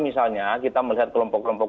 misalnya kita melihat kelompok kelompok